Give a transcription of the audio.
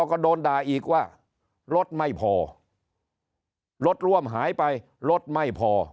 ก็โดนด่าอีกว่ารถไม่พอรถร่วมหายไปรถไม่พอ